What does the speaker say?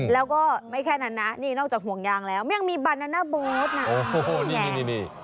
แล้วก็ไม่แค่นั้นนะนี่นอกจากห่วงยางแล้วยังมีบานาน่าโบ๊ทน่ะโอ้โหไง